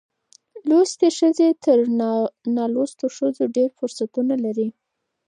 لوستې ښځې تر نالوستو ښځو ډېر فرصتونه لري.